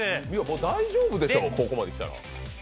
大丈夫でしょ、ここまできたら。